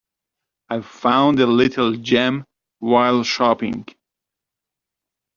I found a little gem while shopping.